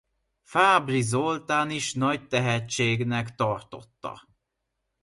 Fábry Zoltán is nagy tehetségnek tartotta.